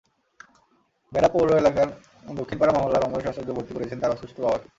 বেড়া পৌর এলাকার দক্ষিণপাড়া মহল্লার অমরেশ আচার্য ভর্তি করিয়েছেন তাঁর অসুস্থ বাবাকে।